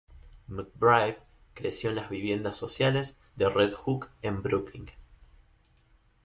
McBride creció en las viviendas sociales de Red Hook en Brooklyn.